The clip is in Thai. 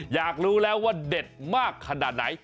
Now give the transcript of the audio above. อยากรู้แล้วว่าเด็ดมากขนาดไหน